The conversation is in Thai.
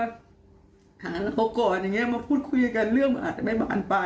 หาเราก่อนอย่างนี้มาพูดคุยกันเรื่องมันอาจจะไม่บานปลาย